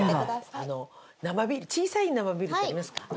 じゃあ生ビール小さい生ビールってありますか？